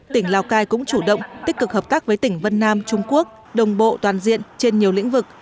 tỉnh lào cai cũng chủ động tích cực hợp tác với tỉnh vân nam trung quốc đồng bộ toàn diện trên nhiều lĩnh vực